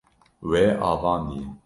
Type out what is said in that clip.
Wê avandiye.